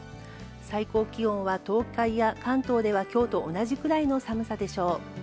最高気温は東海や関東では今日と同じくらいの寒さでしょう。